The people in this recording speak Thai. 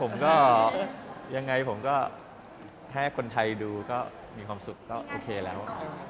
ผมก็ยังไงผมก็ให้คนไทยดูก็มีความสุขก็โอเคแล้ว